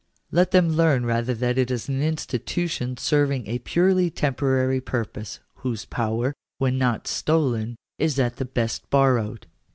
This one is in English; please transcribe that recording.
Let them learn rather that it is an institution serving a purely temporary purpose, whose power, when not stolen, is at the best borrowed.